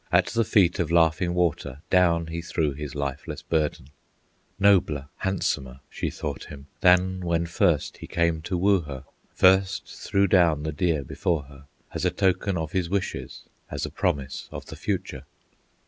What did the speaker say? At the feet of Laughing Water Down he threw his lifeless burden; Nobler, handsomer she thought him, Than when first he came to woo her, First threw down the deer before her, As a token of his wishes, As a promise of the future.